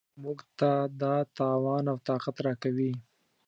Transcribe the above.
موږ ته دا توان او طاقت راکوي.